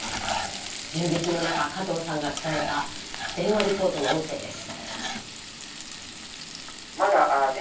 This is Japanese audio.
銃撃の中加藤さんが伝えた電話リポートの音声です。